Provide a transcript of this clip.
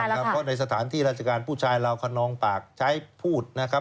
ต้องระวังครับเพราะในสถานที่ราชการผู้ชายเราเขานองปากใช้พูดนะครับ